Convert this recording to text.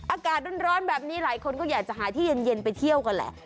อากาศร้อนแบบนี้หลายคนก็อยากจะหาที่เย็นไปเที่ยวกันแหละ